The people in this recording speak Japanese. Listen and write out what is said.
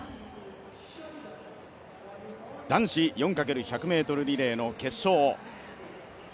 男子４×１００ｍリレーの決勝。